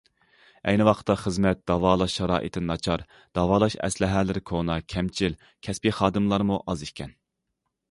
ئەينى ۋاقىتتا خىزمەت، داۋالاش شارائىتى ناچار، داۋالاش ئەسلىھەلىرى كونا، كەمچىل، كەسپىي خادىملارمۇ ئاز ئىكەن.